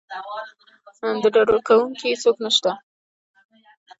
د ډاډکوونکي څوک نه شته.